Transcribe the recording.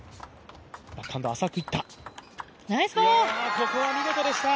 ここは見事でした。